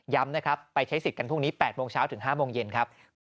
นะครับไปใช้สิทธิ์กันพรุ่งนี้๘โมงเช้าถึง๕โมงเย็นครับ